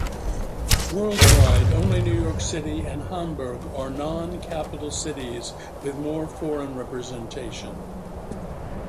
Worldwide, only New York City and Hamburg are non-capital cities with more foreign representation.